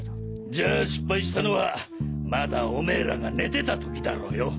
じゃあ失敗したのはまだおめらが寝てた時だろよ。